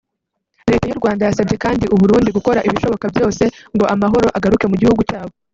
Leta y’u Rwanda yasabye kandi u Burundi gukora ibishoboka byose ngo amahoro agaruke mu gihugu cyabo